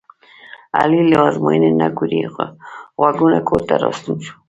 علي له ازموینې نه کوړی غوږونه کورته راستون شو.